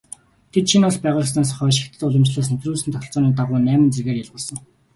Тэд шинэ улс байгуулагдсанаас хойш хятад уламжлалаас нэвтрүүлсэн тогтолцооны дагуу найман зэргээр ялгарсан.